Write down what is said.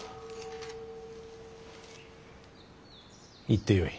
行ってよい。